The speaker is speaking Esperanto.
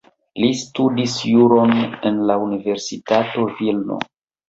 Li studis juron en la Universitato Vilno.